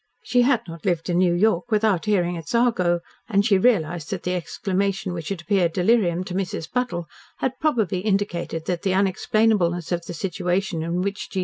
She had not lived in New York without hearing its argot, and she realised that the exclamation which had appeared delirium to Mrs. Buttle had probably indicated that the unexplainableness of the situation in which G.